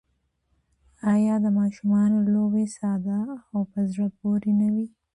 آیا د ماشومانو لوبې ساده او په زړه پورې نه وي؟